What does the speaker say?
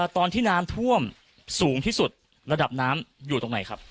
ตอนที่น้ำท่วมสูงที่สุดระดับน้ำอยู่ตรงไหนครับ